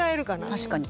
確かに。